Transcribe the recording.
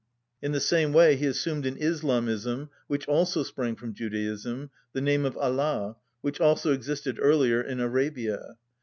In the same way he assumed in Islamism, which also sprang from Judaism, the name of Allah, which also existed earlier in Arabia.